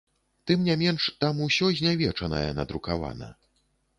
Тым не менш, там усё знявечанае надрукавана.